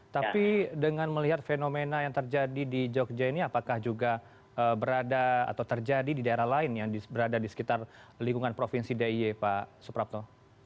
tapi dengan melihat fenomena yang terjadi di jogja ini apakah juga berada atau terjadi di daerah lain yang berada di sekitar lingkungan provinsi d i e pak suprapto